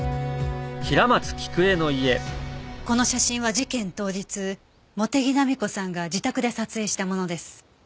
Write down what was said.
この写真は事件当日茂手木浪子さんが自宅で撮影したものです。